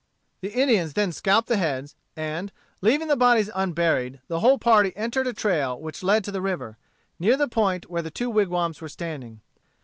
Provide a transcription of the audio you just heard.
The Indians then scalped the heads, and, leaving the bodies unburied, the whole party entered a trail which led to the river, near the point where the two wigwams were standing.